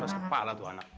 orang kepala tuh anak